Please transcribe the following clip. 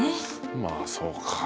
まあそうか。